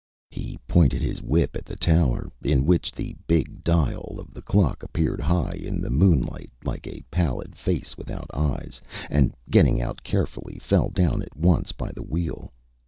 Â He pointed his whip at the tower in which the big dial of the clock appeared high in the moonlight like a pallid face without eyes and getting out carefully, fell down at once by the wheel.